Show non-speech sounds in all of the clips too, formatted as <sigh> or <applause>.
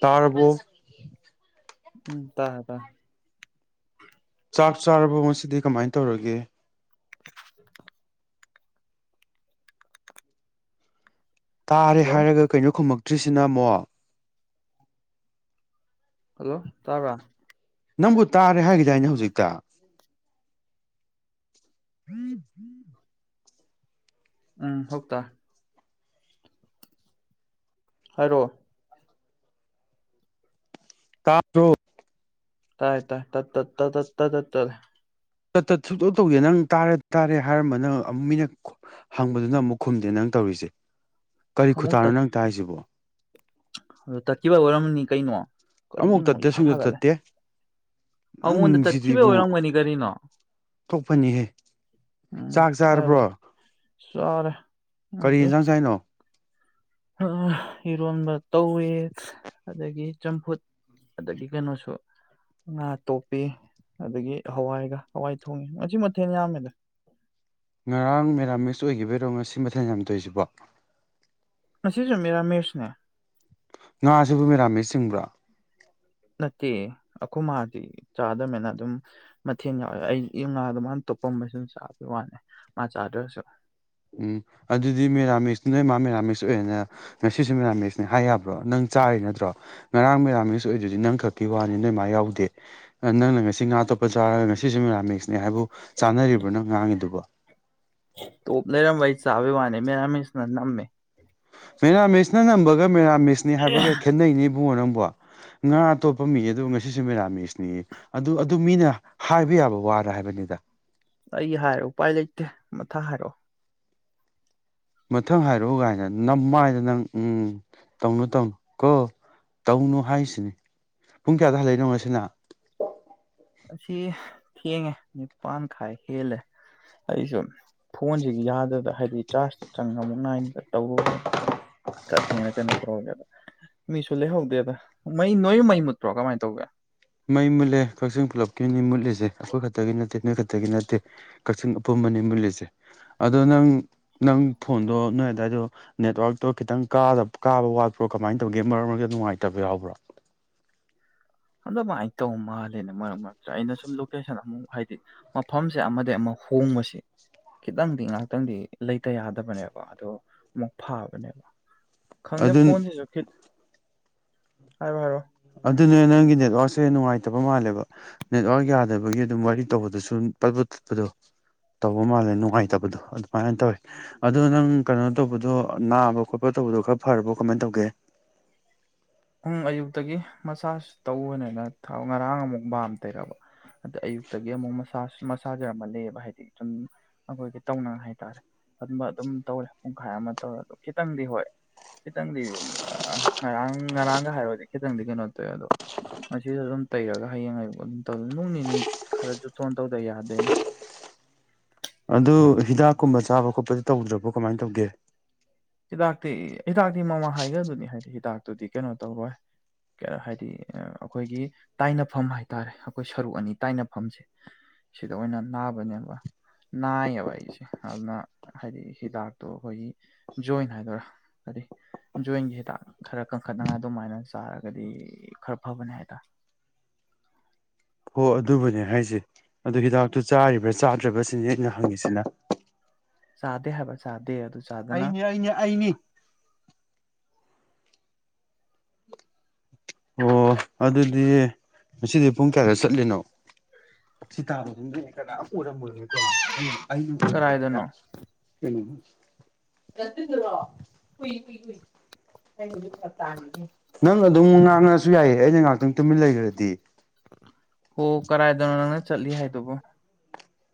ꯇꯥꯔꯕꯣ ꯎꯝ ꯇꯥ ꯇꯥ ꯆꯥꯛ ꯆꯥꯔꯕꯣ ꯉꯁꯤꯗꯤ ꯀꯃꯥꯏꯅ ꯇꯧꯔꯒꯦ <unintelligible> ꯇꯥꯔꯦ ꯍꯜꯂꯣ ꯍꯥꯏꯔꯒ ꯀꯩꯅꯣ ꯈꯨꯝꯃꯛꯇ꯭ꯔꯤꯁꯤꯅ ꯑꯃꯣ ꯍꯜꯂꯣ ꯇꯥꯕ꯭ꯔꯥ ꯅꯪꯕꯨ ꯇꯥꯔꯦ ꯍꯥꯏꯈꯤꯗꯥ ꯑꯅꯦ ꯍꯧꯖꯤꯛꯇ ꯎꯝ-inaudible ꯍꯥꯏꯔꯛꯑꯣ ꯇꯥꯗꯔꯣ ꯇꯥꯏ ꯇꯥꯏ ꯇꯠ ꯇꯠ ꯇꯠꯂꯦ ꯇꯠꯠꯇ ꯁꯨꯛꯇꯧ ꯇꯧꯗꯦ ꯅꯪ ꯇꯥꯔꯦ ꯇꯥꯔꯦ ꯍꯥꯏꯔꯝꯕ ꯅꯪ ꯑꯃꯨꯛ ꯃꯤꯅ- unintelligible ꯍꯪꯕꯗꯨꯅ ꯑꯃꯨꯛ ꯈꯨꯝꯗꯦ ꯅꯪ ꯇꯧꯔꯤꯁꯦ ꯀꯔꯤ ꯑꯃꯨꯛ ꯈꯨꯇꯥꯅꯣ ꯅꯪ ꯇꯥꯏꯁꯤꯕꯣ ꯇꯛꯈꯤꯕ ꯑꯣꯏꯔꯝꯅꯤ ꯀꯩꯅꯣ ꯑꯃꯨꯛ ꯀꯔꯤꯅꯣ ꯏꯁꯥ ꯁꯥꯒꯠꯂꯦ ꯅꯪ ꯑꯩꯉꯣꯟꯗ ꯁꯤꯗꯤ ꯇꯠꯈꯤꯕꯩ ꯏꯕꯨꯡꯉꯣ ꯑꯣꯏꯔꯝꯒꯅꯤ ꯀꯔꯤꯅꯣ ꯊꯣꯛꯄꯅꯤꯍꯦ ꯎꯝ ꯍꯣꯏ ꯆꯥꯔꯦ ꯀꯔꯤ ꯅꯠꯇꯦ ꯌꯦꯟꯖꯥꯡ ꯆꯥꯏꯅꯣ ꯏꯔꯣꯟꯕ ꯇꯧꯏ ꯑꯗꯒꯤ ꯆꯝꯐꯨꯠ ꯑꯗꯒꯤ ꯀꯩꯅꯣꯁꯨ ꯉꯥ ꯇꯣꯛꯞꯄꯤ ꯑꯗꯒꯤ ꯍꯋꯥꯏꯒ ꯍꯋꯥꯏ ꯊꯣꯡꯉꯦ ꯃꯁꯤ ꯃꯊꯦꯜ ꯌꯥꯝꯃꯦꯗ ꯉꯔꯥꯡ ꯃꯦꯔꯥꯃꯦꯁ ꯑꯣꯏꯈꯤꯕꯩꯔꯣ ꯉꯁꯤ ꯃꯊꯦꯜ ꯌꯥꯝ ꯇꯧꯔꯤꯁꯤꯕꯣ ꯉꯁꯤꯁꯨ ꯃꯤꯔꯥꯃꯦꯁꯅꯦ ꯉꯥ ꯁꯤꯕꯨ ꯃꯦꯔꯥꯃꯦꯁ ꯆꯤꯡꯕ꯭ꯔꯥ ꯅꯠꯇꯦ ꯑꯩꯈꯣꯏ ꯃꯥꯗꯤ ꯆꯥꯗꯝꯅꯤꯅ ꯑꯗꯨꯝ ꯃꯊꯦꯟ ꯌꯥꯎꯋꯦ ꯑꯩ ꯏ ꯉꯥꯗꯣ ꯃꯥꯅ ꯇꯣꯞꯄꯝꯕ ꯆꯥꯕꯒꯤ ꯋꯥꯅꯦ ꯃꯥ ꯆꯥꯗ꯭ꯔꯁꯨ ꯎꯝ ꯑꯗꯨꯗꯤ ꯃꯦꯔꯥꯃꯦꯁ ꯅꯣꯏ ꯏꯃꯥ ꯃꯦꯔꯥꯃꯤꯁ ꯑꯣꯏꯔꯦꯅꯦ ꯉꯁꯤꯁꯨ ꯃꯦꯔꯥꯃꯦꯁꯅꯦ ꯍꯥꯏ ꯌꯥꯕ꯭ꯔꯣ ꯅꯪ ꯆꯥꯔꯤ ꯅꯠꯇ꯭ꯔꯣ ꯉꯔꯥꯡ ꯃꯦꯔꯥꯃꯤꯛꯁ ꯑꯣꯏꯗꯨꯗꯤ ꯅꯪ ꯈ- unintelligible ꯋꯥꯅꯤ ꯅꯣꯏ ꯏꯃꯥ ꯌꯥꯎꯗꯦ ꯅꯪꯅ ꯉꯁꯤ ꯉꯥ ꯇꯣꯠꯄꯥ ꯆꯥꯔꯒ ꯉꯁꯤꯁꯄ ꯃꯦꯔꯥꯃꯦꯁ ꯅꯤ ꯍꯥꯏꯕꯨ ꯆꯥꯟꯅꯔꯤꯕ꯭ꯔ ꯅꯪ ꯉꯥꯡꯉꯤꯗꯨꯕ ꯇꯣꯠꯂꯩꯔꯝꯕꯩ ꯆꯥꯕ ꯋꯥꯅꯦ ꯃꯦꯔꯥꯃꯦꯁ ꯅ ꯅꯝꯃꯦ ꯃꯦꯔꯥꯃꯦꯁꯅ ꯅꯝꯕꯒ ꯃꯦꯔꯥꯃꯤꯁꯅꯤ ꯍꯥꯏꯕꯒ ꯈꯦꯠꯅꯩꯅꯦ ꯏꯕꯨꯡꯉꯣ ꯅꯪꯕꯣ ꯉꯥ ꯑꯇꯣꯞꯄ ꯃꯤ ꯑꯗꯨ ꯉꯁꯤꯁꯨ ꯃꯦꯔꯥꯃꯦꯁ ꯅꯦꯌꯦ ꯑꯗꯨ ꯑꯗꯨ ꯃꯤꯅ ꯍꯥꯏꯕ ꯌꯥꯕ ꯋꯥꯔ ꯍꯥꯏꯕꯅꯤꯗ ꯑꯩ ꯍꯥꯏꯔ ꯎꯄꯥꯏ ꯂꯩꯇꯦ ꯃꯊꯥ ꯍꯥꯏꯔꯛꯑꯣ ꯃꯊꯪ ꯍꯥꯏꯔꯛꯎ ꯀꯥꯏꯅ ꯅꯝꯃꯥꯏꯗ ꯅꯪ ꯎꯝ ꯇꯧꯅꯨ ꯇꯧꯅꯨ ꯀꯣ ꯇꯧꯅꯨ ꯍꯥꯏꯁꯤꯅꯤ ꯄꯨꯡ ꯀꯌꯥꯗ ꯍꯜꯂꯛꯏꯅꯣ ꯉꯁꯤꯅ ꯉꯁꯤ ꯊꯦꯡꯉꯦ ꯅꯤꯄꯥꯟ ꯈꯥꯏ ꯍꯦꯜꯂꯦ ꯑꯩꯁꯨ ꯐꯣꯟꯁꯤꯒꯤ ꯌꯥꯗꯗꯅ ꯍꯥꯏꯗꯤ ꯆꯥꯔꯖꯇ ꯆꯪꯉꯒ ꯑꯃꯨꯛ ꯈꯥꯏꯗꯅ ꯇꯧꯔꯨꯨꯔꯦ inaudible ꯀꯠꯇꯦꯅ ꯀꯩꯅꯣ ꯇꯧꯒꯦꯗ ꯃꯤꯁꯨ ꯂꯩꯍꯧꯗꯦꯗ ꯃꯩ ꯅꯣꯏ ꯃꯩ ꯃꯨꯠꯇ꯭ꯔꯣ ꯀꯃꯥꯏꯅ ꯇꯧꯒꯦ ꯃꯩ ꯃꯨꯠꯂꯦ ꯀꯛꯆꯤꯡ ꯄꯨꯂꯞꯀꯤꯅꯤ ꯃꯨꯠꯂꯤꯁꯦ ꯑꯩꯈꯣꯏ ꯈꯛꯇꯒꯤ ꯅꯠꯇꯦ ꯅꯣꯏ ꯈꯛꯇꯒꯤ ꯅꯠꯇꯦ ꯀꯛꯆꯤꯡ ꯑꯄꯨꯟꯕꯅꯤ ꯃꯨꯠꯂꯤꯁꯦ ꯑꯗꯣ ꯅꯪ ꯅꯪ ꯐꯣꯟꯗꯣ ꯅꯣꯏ ꯑꯗꯥꯏꯗꯣ ꯅꯦꯠꯋ꯭ꯥꯛꯇꯣ ꯈꯤꯇꯪꯗ ꯀꯥꯕ ꯋꯥꯠꯄ꯭ꯔꯣ ꯀꯃꯥꯏꯅ ꯇꯧꯒꯦ ꯃꯔꯛ ꯃꯔꯛꯇ ꯅꯨꯡꯉꯥꯏꯇꯕ ꯌꯥꯎꯕ꯭ꯔꯣ ꯑꯃꯥꯏꯅ ꯇꯧ ꯃꯥꯜꯂꯦꯅ ꯃꯔꯛ ꯃꯔꯛꯇ ꯑꯩꯅ ꯁꯨꯝ ꯂꯣꯀꯦꯁꯟ ꯑꯃꯨꯛ ꯍꯥꯏꯗꯤ ꯃꯐꯝꯁꯦ ꯑꯃꯗꯒꯤ ꯑꯃ ꯍꯣꯡꯕꯁꯦ ꯈꯤꯇꯪꯗꯤ ꯉꯍꯥꯛꯇꯪꯗꯤ ꯂꯩꯇ ꯌꯥꯗꯕꯅꯦꯕ ꯑꯣ ꯑꯃꯨꯛ ꯐꯕꯅꯦꯕ ꯈꯪꯗꯦ ꯑꯗꯨ ꯐꯣꯟꯁꯤꯁꯨ ꯈꯤꯠ ꯍꯥꯏꯔꯣ ꯍꯥꯏꯔꯣ ꯑꯗꯨꯅꯦ ꯅꯪꯒꯤ ꯅꯦꯠꯋꯥ꯭ꯛꯁꯦ ꯅꯨꯡꯉꯥꯏꯇꯕ ꯃꯥꯜꯂꯦꯕ ꯅꯦꯠꯋꯥ꯭ꯛ ꯌꯥꯗꯕꯒꯤ ꯑꯗꯨꯝ ꯋꯥꯔꯤ ꯇꯧꯕꯗꯁꯨ ꯑꯗꯨꯝ ꯄꯠ ꯄꯠ ꯇꯠꯄꯗꯣ ꯇꯧꯕ ꯃꯥꯜꯂꯦ ꯅꯨꯡꯉꯥꯏꯇꯕꯗꯣ ꯑꯗꯨꯃꯥꯏꯅ ꯇꯧꯋꯤ ꯑꯗꯣ ꯅꯪ ꯀꯩꯅꯣ ꯇꯧꯕꯗꯣ ꯅꯥꯕ ꯈꯣꯠꯄ ꯇꯧꯕꯗꯣ ꯈꯔ ꯐꯔꯕꯣ ꯀꯃꯥꯏꯅ ꯇꯧꯒꯦ ꯎꯨꯡ ꯑꯌꯨꯛꯇꯒꯤ ꯃꯆꯥꯁ ꯇꯧꯕꯅꯤꯅ ꯊꯥꯎ ꯉꯔꯥꯡ ꯑꯃꯨꯛ ꯕꯥꯝ ꯇꯩꯔꯕ ꯑꯗ ꯑꯌꯨꯛꯇꯒꯤ ꯑꯃꯨꯛ ꯃꯁꯥꯖ ꯃꯁꯥꯖꯔꯝꯃꯜ ꯂꯩꯕ ꯍꯥꯏꯗꯤ ꯁꯨꯝ ꯑꯩꯈꯣꯏꯒꯤ ꯇꯧꯅ ꯍꯥꯏꯇꯥꯔꯦ ꯑꯗꯨꯝꯃ ꯑꯗꯨꯝ ꯇꯧꯔꯦ ꯄꯨꯡꯈꯥꯏ ꯑꯃ ꯇꯧꯔꯦ ꯑꯗꯣ ꯈꯤꯇꯪꯗꯤ ꯍꯣꯏ ꯈꯤꯇꯪꯗꯤ ꯉꯔꯥꯡ ꯉꯔꯥꯡꯒ ꯍꯥꯏꯔꯗꯤ ꯈꯤꯇꯪꯗꯤ ꯀꯩꯅꯣ ꯇꯧꯋꯦ ꯑꯗꯣ ꯉꯁꯤꯖꯨ ꯑꯗꯨꯝ ꯇꯩꯔꯒ ꯍꯌꯦꯡ ꯑꯌꯨꯛ ꯑꯗꯨꯝ ꯇꯧ ꯅꯨꯡ ꯅꯤꯅꯤ ꯈꯔꯁꯨ ꯖꯨꯇꯣꯟ ꯇꯧꯗ ꯌꯥꯗꯦꯅꯦ ꯑꯗꯨ ꯍꯤꯗꯥꯛꯀꯨꯝꯕ ꯆꯥꯕ ꯈꯣꯠꯄꯗꯤ ꯇꯧꯗ꯭ꯔꯕꯣ ꯀꯃꯥꯏ ꯇꯧꯒꯦ ꯍꯤꯗꯥꯛꯇꯤ ꯍꯤꯗꯥꯛꯇꯤ ꯃꯃꯥ ꯍꯥꯏꯒꯗꯨꯅꯤ ꯍꯥꯏꯗꯤ ꯍꯤꯗꯥꯛꯇꯨꯗꯤ ꯀꯩꯅꯣ ꯇꯧꯔꯣꯏ ꯍꯥꯏꯗꯤ ꯑꯩꯈꯣꯏꯒꯤ ꯇꯥꯏꯅꯐꯝ ꯍꯥꯏꯇꯥꯔꯦ ꯑꯩꯈꯣꯏ ꯁꯔꯨꯛ ꯑꯅꯤ ꯇꯥꯏꯅꯐꯝꯁꯦ ꯁꯤꯗ ꯑꯣꯏꯅ ꯅꯥꯕꯅꯦꯕ ꯅꯥꯏꯌꯦꯕ ꯑꯩꯁꯦ ꯑꯗꯨꯅ ꯍꯥꯏꯗꯤ ꯍꯤꯗꯥꯛꯇꯣ ꯑꯩꯈꯣꯏꯒꯤ ꯖꯣꯏꯟ ꯍꯥꯏꯗꯣꯏꯔꯥ ꯀꯔꯤ ꯖꯣꯏꯟꯒꯤ ꯍꯤꯗꯥꯛ ꯈꯔ ꯀꯟꯈꯠꯅꯉꯥꯏ ꯑꯗꯨꯃꯥꯏꯅ ꯆꯥꯔꯒꯗꯤ ꯈꯔ ꯐꯕꯅꯦ ꯍꯥꯏꯇꯥꯔ ꯍꯣ ꯑꯗꯨꯕꯨꯅꯦ ꯍꯥꯏꯁꯦ ꯑꯗꯨ ꯍꯤꯗꯥꯛꯇꯨ ꯆꯥꯔꯤꯕ꯭ꯔꯥ ꯆꯥꯗ꯭ꯔꯕꯁꯤꯅꯦ ꯑꯩꯅ ꯍꯪꯉꯤꯁꯤꯅ ꯆꯥꯗꯦ ꯍꯥꯏꯕ ꯆꯥꯗꯦ ꯑ ꯑꯩꯅꯦ ꯑꯩꯅꯦ ꯑꯩꯅꯤ ꯑꯣ ꯑꯗꯨꯗꯤ ꯉꯁꯤꯗꯤ ꯄꯨꯡ ꯀꯌꯥꯗ ꯆꯠꯂꯤꯅꯣ ꯁꯤ ꯇꯥꯕ ꯃꯤ ꯀꯅꯥꯝ ꯎꯔꯝꯃꯣꯏꯕꯀꯣ ꯑꯩꯅ ꯎꯗꯝꯅꯤꯅ ꯀꯗꯥꯏꯗꯅꯣ <unintelligible> ꯅꯪ ꯑꯗꯨꯝ ꯉꯥꯡꯉꯁꯨ ꯌꯥꯏꯌꯦ ꯑꯩꯅ ꯉꯥꯛꯇꯪ ꯇꯨꯃꯤꯟ ꯂꯩꯈ꯭ꯔꯗꯤ ꯑꯣ ꯀꯔꯥꯏꯗꯅꯣ ꯅꯪꯅ ꯆꯠꯂꯤ ꯍꯥꯏꯗꯨꯕꯣ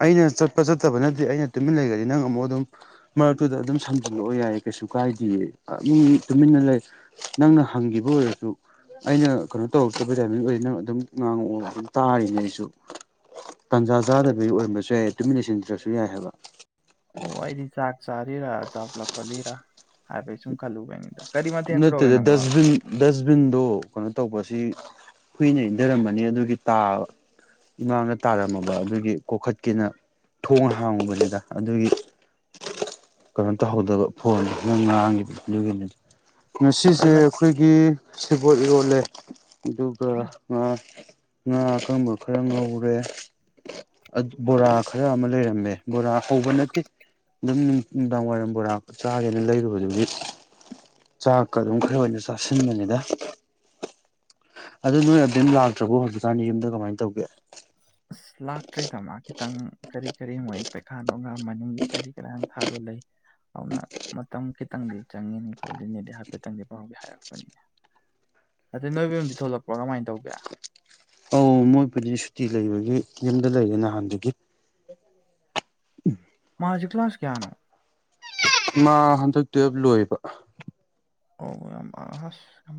ꯑꯩꯅ ꯆꯠꯄ ꯆꯠꯇꯕ ꯅꯠꯇꯦ ꯑꯩꯅ ꯇꯨꯃꯤꯟ ꯂꯩꯒꯗꯤ ꯅꯪ ꯑꯃꯨꯛ ꯑꯗꯨꯝ ꯃꯔꯛꯇꯨꯗ ꯑꯗꯨꯝ ꯁꯝꯖꯤꯜꯂꯛꯑꯣ ꯌꯥꯏ ꯀꯩꯁꯨ ꯀꯥꯏꯗꯤꯌꯦ ꯃꯤ ꯇꯨꯃꯤꯟꯅ ꯂꯩ ꯅꯪꯅ ꯍꯪꯒꯤꯕ ꯑꯣꯏꯔꯁꯨ ꯑꯩꯅ ꯀꯩꯅꯣ ꯇꯧꯔꯛꯇꯕ ꯇꯥꯏꯃꯤꯡ ꯑꯣꯏꯗꯤ ꯑꯗꯨꯝ ꯉꯥꯡꯉꯛꯑꯣ ꯑꯗꯨꯝ ꯇꯥꯔꯤꯅꯦ ꯑꯩꯁꯨ ꯇꯥꯟꯖꯥ ꯆꯥꯗꯕꯒꯤ ꯑꯣꯏꯔꯝꯕꯁꯨ ꯌꯥꯏ ꯇꯨꯃꯤꯟꯅ ꯂꯩꯁꯤꯟꯗ꯭ꯔꯁꯨ ꯌꯥꯏ ꯍꯥꯏꯕ ꯑꯣ ꯑꯩꯗꯤ ꯆꯥꯛ ꯆꯥꯔꯤꯔ ꯆꯥꯒ ꯂ ꯈꯣꯜꯂꯤꯔ ꯍꯥꯏꯐꯦꯠ ꯁꯨꯝ ꯈꯜꯂꯨꯕꯅꯤꯗ ꯀꯔꯤ ꯃꯥꯊꯦꯜ ꯇꯧꯔꯒꯦ ꯅꯠꯇꯦꯗ ꯅꯪꯕꯣ ꯗꯁꯕꯤꯟ ꯗꯁꯕꯤꯟꯗꯣ ꯀꯩꯅꯣ ꯇꯧꯕ ꯁꯤ ꯍꯨꯏꯅ ꯏꯟꯊꯔꯝꯃꯅꯤ ꯑꯗꯨꯒꯤ ꯇꯥꯕ ꯏꯃꯥꯡꯗ ꯇꯥꯔꯝꯃꯕ ꯑꯗꯨꯒꯤ ꯀꯣꯛꯈꯠꯀꯦꯅ ꯊꯣꯡ ꯍꯥꯡꯉꯨꯕꯅꯤꯗ ꯑꯗꯨꯒꯤ ꯀꯩꯅꯣ ꯇꯧꯍꯧꯗꯕ ꯐꯣꯟꯗ ꯅꯪ ꯉꯥꯡꯉꯤꯗꯣ ꯑꯗꯨꯒꯤ ꯉꯁꯤꯁꯦ ꯍꯣꯏꯃꯠ ꯑꯩꯈꯣꯏꯒꯤ ꯁꯦꯕꯣꯠ ꯏꯔꯣꯜꯂꯦ ꯑꯗꯨꯒ ꯉꯥ ꯉꯥ ꯑꯀꯪꯕ ꯈꯔ ꯉꯧꯔꯦ ꯕꯣꯔꯥ ꯈꯔ ꯑꯃ ꯂꯩꯔꯝꯃꯦ ꯕꯣꯔꯥ ꯍꯧꯕ ꯅꯠꯇꯦ ꯑꯗꯨꯝ ꯅꯨꯡꯗꯥꯡ ꯋꯥꯏꯔꯝ ꯕꯣꯔꯥ ꯆꯥꯒꯦꯅ ꯂꯩꯔꯨꯕꯗꯨꯒꯤ ꯆꯥꯛꯀ ꯑꯗꯨꯝ ꯈꯔ ꯑꯣꯏꯅ ꯆꯥꯁꯤꯟꯕꯅꯤꯗ ꯑꯗꯨ ꯅꯣꯏ ꯑꯗꯨꯝ ꯂꯥꯛꯇ꯭ꯔꯕꯣ ꯍꯧꯖꯤꯛꯀꯥꯟꯅꯤ ꯌꯨꯝꯗ ꯀꯃꯥꯏꯅ ꯇꯧꯒꯦ ꯑꯁ ꯂꯥꯛꯇ꯭ꯔꯦꯗ ꯃꯥ ꯈꯤꯇꯪ ꯀꯔꯤ ꯀꯔꯤ ꯃꯣꯏ ꯄꯩꯈꯥꯗꯣ ꯃꯅꯤꯡ ꯀꯔꯤ ꯀꯔ ꯍꯥꯗꯣ ꯂꯩ ꯑꯗꯨꯅ ꯃꯇꯝ ꯈꯤꯇꯪꯗꯤ ꯆꯪꯒꯤꯅꯤ <unintelligible> ꯍꯥꯏꯐꯦꯠꯇꯪꯗꯤ ꯄꯥꯎꯗꯤ ꯍꯥꯏꯔꯛꯄꯅꯤꯅ ꯑꯗ ꯅꯣꯏ ꯕꯦꯝꯗꯤ ꯊꯣꯛꯂꯛꯄ꯭ꯔꯣ ꯀꯃꯥꯏ ꯇꯧꯒꯦ ꯑꯧ ꯃꯣꯏꯕꯨꯗꯤ ꯁꯨꯇꯤ ꯂꯩꯕꯒꯤ ꯌꯨꯝꯗ ꯂꯩꯔꯦ ꯅꯍꯥꯟꯗꯨꯒꯤ <inaudible> ꯃꯥꯖꯤ ꯀ꯭ꯂꯥꯁ ꯀꯌꯥꯅꯣ ꯃꯥ ꯍꯟꯗꯛ ꯇꯨꯋꯦꯜ ꯂꯣꯏꯕ ꯑꯣ ꯌꯥꯝ ꯑꯁ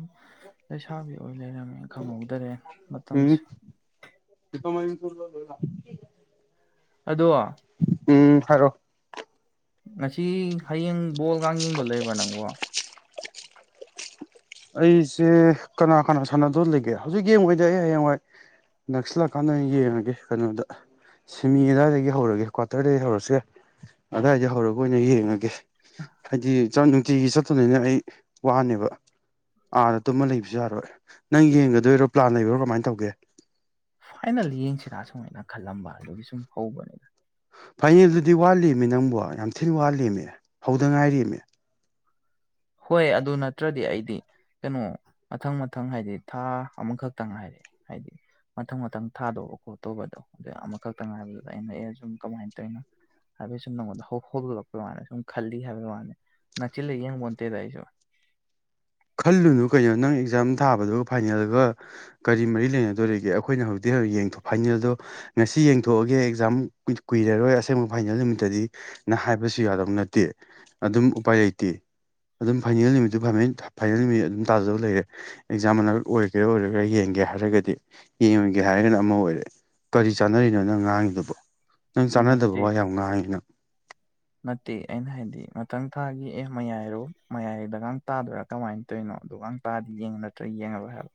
ꯂꯩꯁꯥꯕꯤ ꯑꯣꯏ ꯂꯩꯔꯝꯃꯦ ꯈꯪꯍꯧꯗꯔꯦ ꯎꯝ ꯃꯇꯝꯁꯦ <unintelligible> ꯑꯗꯣ ꯎꯝ ꯍꯥꯢꯔꯛꯑꯣ ꯉꯁꯤ ꯍꯌꯦꯡ ꯕꯣꯜꯒ ꯌꯦꯡꯗꯧ ꯂꯩꯕ꯭ꯔꯥ ꯅꯪꯕꯣ ꯑꯩꯁꯦ ꯀꯅꯥ ꯀꯅꯥ ꯁꯥꯟꯅꯗꯣꯏ ꯂꯩꯒꯦ ꯍꯧꯖꯤꯛ ꯌꯦꯡꯉꯣꯢꯗ ꯑꯩ ꯍꯌꯦꯡ ꯋꯥꯏ ꯅꯛꯁꯤꯜꯂꯛ ꯀꯥꯟꯗ ꯌꯦꯡꯉꯒꯦ ꯀꯩꯅꯣꯗ ꯁꯤꯃꯤ ꯑꯗꯨꯋꯥꯏꯗꯒꯤ ꯍꯧꯔꯒꯦ ꯀ꯭ꯋꯥꯇꯔꯗꯒꯤ ꯍꯧꯔꯁꯁꯨ ꯌꯥꯏ ꯑꯗꯨꯋꯥꯏꯗ ꯍꯧꯔꯒ ꯑꯣꯏꯅ ꯌꯦꯡꯉꯒꯦ ꯍꯥꯏꯗꯤ ꯅꯨꯡꯇꯤꯒꯤ ꯆꯠꯇꯣꯏꯅꯤꯅ ꯑꯩ ꯋꯥꯅꯦꯕ ꯑꯥꯗ ꯇꯨꯝꯃ ꯂꯩꯕꯁꯨ ꯌꯥꯔꯣꯏ ꯅꯪ ꯌꯦꯡꯒꯗꯣꯏꯔꯣ ꯄ꯭ꯂꯥꯟ ꯂꯩꯕꯔꯣ ꯀꯃꯥꯏꯅ ꯇꯧꯒꯦ ꯐꯥꯏꯅꯦꯜ ꯌꯦꯡꯁꯤꯔ ꯁꯨꯃꯥꯏꯅ ꯈꯜꯂꯝꯕ ꯑꯗꯨꯒꯤ ꯁꯨꯝ ꯍꯧꯕꯅꯤꯗ ꯐꯥꯏꯅꯦꯜꯗꯨꯗꯤ ꯋꯥꯠꯂꯤꯃꯤ ꯅꯪꯕꯨ ꯌꯥꯝ ꯊꯤꯅ ꯋꯥꯠꯂꯤꯃꯦ ꯍꯧꯗ ꯉꯥꯏꯔꯤꯃꯦ ꯍꯣꯏ ꯑꯗꯨ ꯅꯠꯇ꯭ꯔꯗꯤ ꯑꯩꯗꯤ ꯀꯩꯅꯣ ꯃꯊꯪ ꯃꯊꯪ ꯍꯥꯏꯗꯤ ꯊꯥ ꯑꯃꯈꯛꯇꯪ ꯍꯥꯏꯔꯦ ꯍꯥꯏꯗꯤ ꯃꯊꯪ ꯃꯊꯪ ꯊꯥꯗꯣꯛꯑꯣ ꯈꯣꯠꯇꯧꯕꯗꯣ ꯑꯗꯨ ꯑꯃꯈꯛꯇꯪ ꯉꯥꯏꯕꯗꯨꯗ ꯑꯩꯅ ꯑꯦ ꯁꯨꯝ ꯀꯃꯥꯏꯅ ꯇꯧꯔꯤꯅꯣ ꯍꯥꯏꯕꯩ ꯁꯨꯝ ꯅꯪꯉꯣꯟꯗ ꯍꯧꯗꯣꯔꯛꯄꯩ ꯋꯥꯅꯤ ꯁꯨꯝ ꯈꯜꯂꯤ ꯍꯥꯏꯕꯩꯒꯤ ꯋꯥꯅꯦ ꯅꯛꯆꯤꯜꯂ ꯌꯦꯡꯕ ꯅꯠꯇꯦꯗ ꯑꯩꯁꯨ ꯈꯜꯂꯨꯅꯨ ꯀꯩꯅꯣ ꯅꯪ ꯑꯦꯛꯖꯥꯝ ꯊꯥꯕꯗꯨꯒ ꯐꯥꯏꯅꯦꯜꯒ ꯀꯔꯤ ꯃꯔꯤ ꯂꯩꯅꯗꯣꯔꯤꯒꯦ ꯑꯩꯈꯣꯏꯅ ꯍꯧꯖꯤꯛꯇꯩ ꯌꯦꯡꯊꯣꯛ ꯐꯥꯏꯅꯦꯜꯗꯣ ꯉꯁꯤ ꯌꯦꯡꯊꯣꯛꯑꯒꯦ ꯑꯦꯛꯖꯥꯝ ꯀꯨꯏꯔꯔꯣꯏ ꯑꯁꯦꯡꯕ ꯐꯥꯏꯅꯦꯜ ꯅꯨꯃꯤꯠꯇꯗꯤ ꯅ ꯍꯥꯏꯕꯁꯨ ꯌꯥꯗꯧ ꯅꯠꯇꯦ ꯑꯗꯨꯝ ꯎꯄꯥꯏ ꯂꯩꯇꯦ ꯑꯗꯨꯝ ꯐꯥꯏꯅꯦꯜ ꯅꯨꯃꯤꯠꯇꯨ ꯐꯝꯅ‌ꯦꯜ ꯊꯥ ꯐꯥꯏꯅꯦꯜ ꯅꯨꯃꯤꯠ ꯑꯗꯨꯝ ꯇꯥꯖꯗꯧ ꯂꯩꯔꯦ ꯑꯦꯛꯖꯥꯝ ꯃꯅꯥꯛ ꯑꯣꯏꯒꯦꯔꯥ ꯑꯣꯏꯔꯣꯏꯒꯦꯔꯥ ꯌꯦꯡꯒꯦ ꯍꯥꯏꯔꯒꯗꯤ ꯌꯦꯡꯉꯨꯒꯦ ꯍꯥꯏꯔꯒꯅ ꯑꯃ ꯑꯣꯏꯔꯦ ꯀꯔꯤ ꯆꯥꯟꯅꯔꯤꯅꯣ ꯅꯪ ꯉꯥꯡꯉꯤꯗꯨꯕꯣ ꯅꯪ ꯆꯥꯟꯅꯗꯕ ꯅꯠꯇꯦ ꯋꯥ ꯌꯥꯝ ꯉꯥꯡꯉꯤ ꯅꯪ ꯅꯠꯇꯦ ꯑꯩꯅ ꯍꯥꯏꯗꯤ ꯃꯊꯪ ꯊꯥꯒꯤ ꯑꯦ ꯃꯌꯥꯏꯔꯣ ꯃꯌꯥꯏꯗꯒ ꯇꯥꯗ꯭ꯔꯥ ꯀꯃꯥꯏꯅ ꯇꯩꯅꫭ ꯑꯗꯩꯋꯥꯡ ꯇꯥꯥꯗꯤ ꯌꯦꯡꯉ ꯅꯠꯇ꯭ꯔꯒ ꯌꯦꯡꯉꯔꯣꯏ ꯍꯥꯏꯕ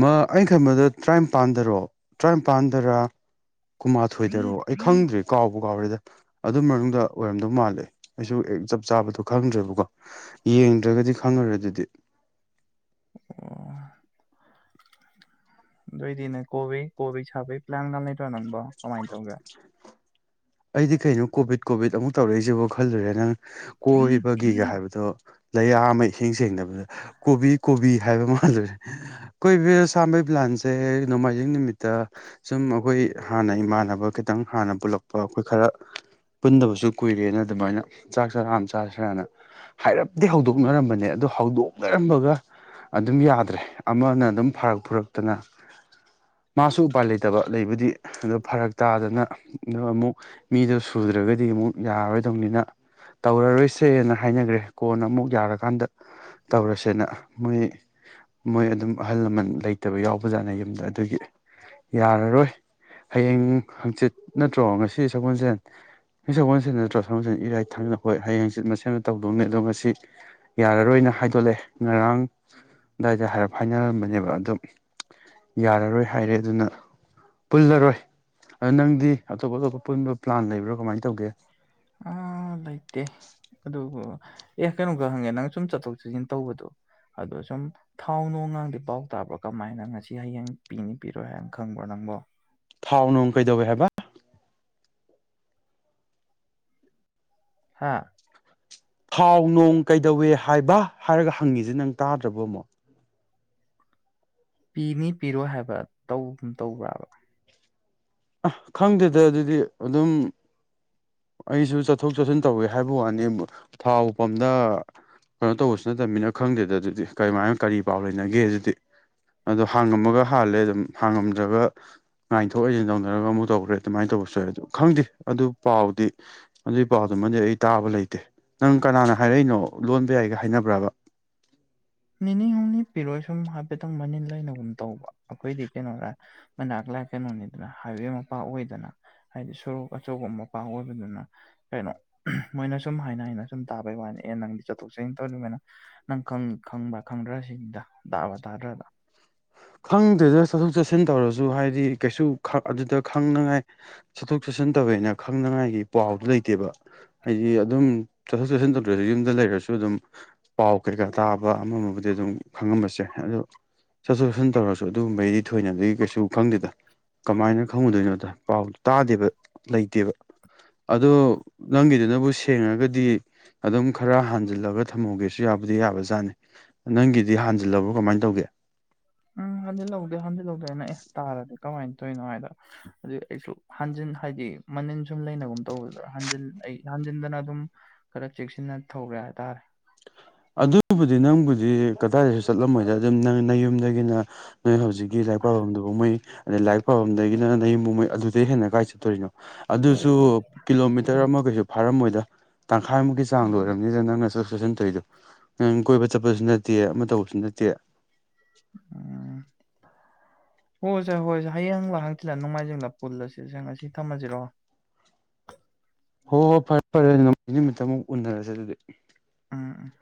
ꯃꯥ ꯑꯩꯩꯅ ꯈꯟꯕꯗ ꯇꯔꯥꯅꯤꯄꯥꯟꯗꯔꯣ ꯇꯔꯥꯅꯤꯄꯥꯟꯗꯔ ꯀꯨꯟꯃꯥꯊꯣꯏꯗꯔꯣ ꯑꯩ ꯈꯪꯗ꯭ꯔꯦ ꯀꯥꯎꯕꯨ ꯀꯥꯎꯔꯦꯗ ꯑꯗꯨ ꯃꯅꯨꯡꯗ ꯑꯣꯏꯔꯝꯗꯧ ꯃꯥꯜꯂꯦ ꯑꯩꯁꯨ ꯍꯦꯛ ꯆꯞ ꯆꯥꯕꯗꯣ ꯈꯪꯗ꯭ꯔꯦꯕꯀꯣ ꯌꯦꯡꯗ꯭ꯔꯒꯗꯤ ꯈꯪꯉꯔꯣꯏ ꯑꯗꯨꯗꯤ ꯑꯣ <inaudible> ꯑꯗꯨ ꯑꯣꯏꯗꯤꯅꯦ ꯀꯣꯕꯤ ꯀꯣꯕꯤ ꯁꯥꯐꯤꯛ ꯉꯥꯡ ꯉꯥꯡ ꯂꯩꯇꯔꯣ ꯅꯪꯕꯣ ꯀꯃꯥꯏꯅ ꯇꯧꯒꯦ ꯑꯩꯗꯤ ꯀꯩꯅꯣ ꯀꯣꯚꯤꯠ ꯀꯣꯚꯤꯠ ꯑꯃꯨꯛ ꯇꯧꯔꯛꯏꯁꯤꯕꯣ ꯈꯜꯂꯨꯔꯦ ꯅꯪ ꯀꯣꯏꯕꯒꯤꯒ ꯍꯥꯏꯕꯗꯣ ꯅꯩꯌꯥ ꯑꯃ ꯏꯁꯦꯡ ꯁꯦꯡꯗꯕꯗ ꯀꯣꯕꯤ ꯀꯣꯕꯤ ꯍꯥꯏꯕ ꯃꯥꯜꯂꯨꯔꯦ ꯀꯣꯏꯕꯤ ꯁꯥꯥꯝꯕꯩ ꯄ꯭ꯂꯥꯟꯁꯦ ꯅꯣꯡꯃꯥꯏꯖꯤꯡ ꯅꯨꯃꯤꯠꯇ ꯁꯨꯝ ꯑꯩꯈꯣꯏ ꯍꯥꯟꯅ ꯏꯃꯥꯟꯅꯕ ꯈꯤꯇꯪ ꯍꯥꯟꯅ ꯄꯨꯜꯂꯛꯄ ꯑꯩꯈꯣꯏ ꯈꯔ ꯄꯨꯟꯗꯕꯁꯨ ꯀꯨꯏꯔꯦꯅ ꯑꯗꯨꯃꯥꯏꯅ ꯆꯥꯛ ꯆꯔꯥ ꯑꯃ ꯆꯥꯁꯤꯔꯅ ꯍꯥꯏꯔꯞꯗꯤ ꯍꯧꯗꯣꯛꯅꯔꯝꯕꯅꯦ ꯑꯗꫭ ꯍꯧꯗꯣꯛꯅꯔꯝꯕꯒ ꯑꯗꯨꯝ ꯌꯥꯗ꯭ꯔꯦ ꯑꯃꯅ ꯑꯗꯨꯝ ꯐꯔꯛ ꯐꯨꯔꯛꯇꯅ ꯃꯥꯁꯨ ꯎꯄꯥꯏ ꯂꯩꯇꯕ ꯂꯩꯕꯨꯗꯤ ꯑꯗꫭ ꯐꯔꯛ ꯇꯥꯗꯅ ꯑꯗꫭ ꯃꯤꯗꯣ ꯁꯨꯗ꯭ꯔꯒꯗꯤ ꯑꯃꯨꯛ ꯌꯥꯔꯣꯏꯗꯧꯅꯤꯅ ꯇꯧꯔꯔꯣꯏꯁꯦꯅ ꯍꯥꯏꯅꯈ꯭ꯔꯦ ꯀꯣꯟꯅ ꯑꯃꯨꯛ ꯌꯥꯔꯀꯥꯟꯗ ꯇꯧꯔꯁꯦꯅ ꯃꯣꯏ ꯃꯣꯏ ꯑꯗꯨꯝ ꯑꯍꯜ ꯂꯃꯟ ꯂꯩꯇꯕ ꯌꯥꯎꯕ ꯖꯥꯠꯅꯤ ꯌꯨꯝꯗ ꯑꯗꯨꯒꯤ ꯌꯥꯔꯔꯣꯏ ꯍꯌꯦꯡ ꯍꯥꯡꯆꯤꯠ ꯅꯠꯇ꯭ꯔꯣ ꯉꯁꯤ ꯁꯒꯣꯜꯁꯦꯟ ꯉꯁꯤ ꯁꯒꫭꯜꯁ‌ꯦꯟ ꯅꯠꯇ꯭ꯔꯣ ꯁꯒꫭꯜꯁ‌ꯦꯟ ꯏꯔꯥꯏ ꯊꯥꯡꯅ ꯍꯣꯏ ꯍꯌꯦꯡꯆꯤꯠ ꯃꯁ‌ꯦꯝꯗ ꯇꯧꯗꯧꯅꯤ ꯑꯣ ꯃꯁꯤ ꯌꯥꯔꯔꯣꯏꯅ ꯍꯥꯏꯗꯣꯛꯂꯑꯦ ꯉꯔꯥꯡ ꯑꯗꯨꯗꯥꯏꯗ ꯍꯥꯏꯔꯞ ꯍꯥꯏꯅꯔꯝꯕꯅꯦꯕ ꯑꯗꫭ ꯌꯥꯔꯔꯣꯏ ꯍꯥꯏꯔꯦ ꯑꯗꯨꯅ ꯄꯨꯜꯂꯔꯣꯏ ꯑ ꯅꯪꯗꯤ ꯑꯇꯣꯞ ꯑꯇꯣꯞꯄ ꯄꯨꯟꯕ ꯄ꯭ꯂꯥꯟ ꯂꯩꯕ꯭ꯔꯣ ꯀꯃꯥꯏ ꯇꯧꯒꯦ ꯑ ꯂꯩꯩꯇꯦ ꯑꯗꯨꯕꯨ ꯑꯦ ꯀꯩꯅꯣ ꯈ ꯍꯪꯉꯦ ꯅꯪ ꯁꯨꯝ ꯆꯠꯊꯣꯛ ꯆꯠꯁꯤꯟ ꯇꯧꯕꯗꯣ ꯑꯗꯣ ꯁꯨꯝ ꯊꯥꯎ ꯅꯣꯡꯉꯥꯡꯗꯤ ꯄꯥꯎ ꯇꯥꯕ꯭ꯔꯣ ꯀꯃꯥꯏꯅ ꯉꯁꯤ ꯍꯌꯦꯡ ꯄꯤꯅꯤ ꯄꯤꯔꯣꯏ ꯍꯥꯏꯅ ꯈꯪꯕ꯭ꯔꯣ ꯅꯪꯕꯣ ꯊꯥꯎ ꯅꯨꯡ ꯀꯩꯗꯧꯋꯦ ꯍꯥꯏꯕ ꯍꯥꯥ ꯊꯥꯎ ꯅꯣꯡ ꯀꯩꯗꯧꯋꯦ ꯍꯥꯏꯕ ꯍꯥꯏꯔꯒ ꯍꯪꯉꯤꯁꯦ ꯅꯪ ꯇꯥꯗ꯭ꯔꯕ ꯑꯃꯨꯛ ꯄꯤꯅꯤ ꯄꯤꯔꯣꯏ ꯍꯥꯏꯕ ꯇꯧꯒꯨꯝ ꯇꯧꯕ꯭ꯔꯕ ꯑ ꯈꯪꯗꯦꯗ ꯑꯗꯨꯗꯤ ꯑꯗꯨꯝ ꯑꯩꯁꯨ ꯆꯠꯊꯣꯛ ꯆꯠꯁꯤꯟ ꯇꯧꯋꯦ ꯍꯥꯏꯕ ꯋꯥꯅꯤ ꯊꯥꯎ ꯄꯝꯗ ꯀꯩꯅꯣ ꯇꯧꯕꯁꯨ ꯅꯠꯇꯕꯅꯤꯅ ꯈꯪꯗꯦꯗ ꯑꯗꯨꯗꯤ ꯀꯔꯃꯥꯏꯅ ꯀꯔꯤ ꯄꯥꯎ ꯂꯩꯅꯒꯦ ꯑꯗꯨꯗꯤ ꯑꯗꯣ ꯍꯥꯡꯉꯝꯃꯒ ꯍꯥꯜꯂꯦ ꯑꯗꯨꯝ ꯍꯥꯡꯉꯝꯗ꯭ꯔꯒ ꯉꯥꯏꯊꯣꯛ ꯑꯣꯏꯖꯤꯟ ꯇꯧ ꯅꯔꯒ ꯑꯃꯨꯛ ꯇꯧꯈ꯭ꯔꯦ ꯑꯗꯨꯃꯥꯏꯅ ꯇꯧꯕꯁꯨ ꯌꯥ ꯑꯗꯨ ꯈꯪꯗꯦ ꯑꯗꯨ ꯄꯥꯎꯗꯤ ꯑꯗꯨꯏ ꯄꯥꯎꯗꯨꯃꯗꯤ ꯑꯩ ꯇꯥꯕ ꯂꯩꯇꯦ ꯅꯪ ꯀꯅꯥꯅ ꯍꯥꯏꯔꯛꯏꯅꯣ ꯂꯣꯟꯕ ꯌꯥꯏꯒ ꯍꯥꯏꯅꯕ꯭ꯔꯕ ꯅꯤꯅꯤ ꯍꯨꯝꯅꯤ ꯄꯤꯔꯣꯏ ꯁꯨꯝ ꯍꯥꯏꯐꯦꯠꯇꯪ ꯃꯅꯤꯟ ꯂꯩꯅꯒꯨꯝ ꯇꯧꯕ ꯑꯩꯈꯣꯏꯗꯤ ꯀꯩꯅꯣꯔ ꯃꯅꯛꯂ ꯀꯩꯅꯣꯅꯤꯗꯅ ꯍꯥꯏꯋꯦ ꯃꯄꯥ ꯑꯣꯏꯗꯅ ꯑꯩꯗꯤ ꯁꯣꯔꯣꯛ ꯑꯆꯧꯕ ꯃꯄꯥ ꯑꯣꯏꯕꯅꯤꯅ ꯀꯩꯅꯣ ꯃꯣꯏꯅ ꯁꯨꯝ ꯍꯥꯏꯅ ꯍꯥꯏꯅ ꯁꯨꯝ ꯇꯥꯕꯩ ꯋꯥꯅꯤ ꯑꯦ ꯅꯪ ꯆꯠꯊꯣꯛ ꯆꯠꯁꯤꯟ ꯇꯧꯅꯤ ꯃꯥꯏꯅ ꯅꯪ ꯈꯪꯕ ꯈꯪꯗ꯭ꯔꯁꯤꯅꯤꯗ ꯇꯥꯕ ꯇꯥꯗ꯭ꯔꯕ ꯈꯪꯗꯦꯗ ꯆꯠꯊꯣꯛ ꯆꯠꯁꯤꯟ ꯇꯧꯔꯁꯨ ꯍꯥꯏꯗꯤ ꯀꯩꯁꯨ ꯑꯗꯨꯗ ꯈꯪꯅꯉꯥꯏ ꯆꯠꯊꯣꯛ ꯆꯠꯁꯤꯟ ꯇꯧꯋꯦꯅ ꯈꯪꯅꯉꯥꯏꯒꯤ ꯄꯥꯎꯗꯨ ꯂꯩꯇꯦꯕ ꯍꯥꯏꯗꯤ ꯑꯗꯨꯝ ꯆꯠꯊꯣꯛ ꯆꯠꯁꯤꯟ ꯇꯧꯗ꯭ꯔꯁꯨ ꯌꯨꯝꯗ ꯂꯩꯔꯁꯨ ꯑꯗꯨꯝ ꯄꯥꯎ ꯀꯩꯀꯥ ꯇꯥꯕ ꯑꯃꯃꯕꯨꯗꯤ ꯑꯗꯨꯝ ꯈꯪꯉꯝꯕꯁꯦ ꯑꯗꯨ ꯆꯠꯊꯣꯛ ꯆꯠꯁꯤꯟ ꯇꯧꯔꯁꯨ ꯑꯗꯨꯒꯨꯝꯕꯒꯤꯗꯤ ꯊꯣꯏꯅꯗꯤ ꯀꯩꯁꯨ ꯈꯪꯗꯦꯗ ꯀꯃꯥꯏꯅ ꯈꯪꯉꯨꯗꯣꯏꯅꯣꯗꯣ ꯄꯥꯎ ꯇꯥꯗꯦꯕ ꯂꯩꯇꯦꯕ ꯑꯗꯣ ꯅꯪꯒꯤꯗꯨꯅꯕꯨ ꯁꯦꯡꯉꯒꯗꯤ ꯑꯗꯨꯝ ꯈꯔ ꯍꯥꯟꯖꯤꯜꯂꯒ ꯊꯝꯍꯧꯒꯦꯁꯨ ꯌꯥꯕꯨꯗꯤ ꯌꯥꯕꯖꯥꯠꯅꯤ ꯅꯪꯒꯤꯗꯤ ꯍꯥꯟꯖꯤꯜꯂꯕꯣ ꯀꯃꯥꯏ ꯇꯧꯒꯦ ꯎꯝ ꯍꯟꯖꯤꯜꯍꯧꯗꯦ ꯍꯟꯖꯤꯜꯍꯧꯗꯦꯅ ꯑꯦ ꯇꯥꯔꯗꯤ ꯀꯃꯥꯏꯅ ꯇꯧꯔꯤꯅꯣ ꯍꯥꯏꯗ ꯑꯗꯨ ꯑꯩꯁꯨ ꯍꯟꯖꯤꯟ ꯍꯥꯏꯗꯤ ꯃꯅꯤꯟ ꯁꯨꯝ ꯂꯩꯅꯒꯨꯝ ꯇꯧꯕꯗꯨꯗ ꯍꯟꯖꯤꯟ ꯑꯩ ꯍꯟꯖꯤꯟꯗꯅ ꯑꯗꯨꯝ ꯈꯔ ꯆꯦꯛꯁꯤꯟꯅ ꯊꯧꯒꯔꯦ ꯍꯥꯏꯇꯥꯔꯦ ꯑꯗꯨꯕꯨꯗꯤ ꯅꯪꯕꯨꯗꯤ ꯀꯗꯥꯏꯗꯁꯨ ꯆꯠꯂꯝꯃꯣꯏꯗ ꯑꯗꯨꯝ ꯅꯪ ꯅꯌꯨꯝꯗꯒꯤꯅ ꯅꯣꯏ ꯍꯧꯖꯤꯛ ꯂꯥꯏꯔꯤꯛ ꯄꯥꯐꯝꯗꯨꯕꯨ ꯃꯣꯏ ꯂꯥꯏꯔꯤꯛ ꯄꯥꯕꯝꯗꯒꯤꯅ ꯅꯌꯨꯝꯕꯧ ꯃꯣꯏ ꯑꯗꯨꯗꯩ ꯍꯦꯟꯅ ꯀꯥꯏ ꯆꯠꯇꯣꯔꯤꯅꯣ ꯑꯗꯨꯁꯨ ꯀꯤꯂꯣꯃꯤꯇꯔ ꯑꯃ ꯀꯩꯁꯨ ꯐꯥꯔꯝꯃꯣꯏꯗ ꯇꯪꯈꯥꯏꯃꯨꯛꯀꯤ ꯆꯥꯡꯗ ꯑꯣꯏꯔꯝꯅꯤꯗ ꯅꯪꯅ ꯆꯠꯊꯣꯛ ꯆꯠꯁꯤꯟ ꯇꯧꯔꯤꯗꯣ ꯅꯪ ꯀꯣꯏꯕ ꯆꯠꯄꯁꯨ ꯅꯠꯇꯦ ꯑꯃ ꯇꯧꯕꯁꯨ ꯅꯠꯇꯦ ꯎꯝ <inaudible> ꯍꯣꯏ ꯁꯦ ꯍꯣꯏ ꯁꯦ ꯍꯌꯦꯡꯂ ꯍꯪꯆꯤꯠꯂ ꯅꯣꯡꯃꯥꯏꯖꯤꯡꯂ ꯄꯨꯜꯂꯁꯤ ꯁꯦ ꯉꯁꯤ ꯊꯝꯃꯁꯤꯔꯣ ꯍꯣꯏ ꯍꯣꯏ ꯐꯔꯦ ꯐꯔꯦ ꯑꯗꯨ ꯉꯝ ꯅꯨꯃꯤꯠꯇꯃꯨꯛ ꯎꯅꯔꯁꯦ ꯑꯗꯨꯗꯤ ꯎꯝ